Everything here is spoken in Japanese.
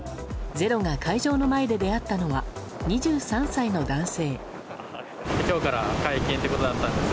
「ｚｅｒｏ」が会場の前で出会ったのは２３歳の男性。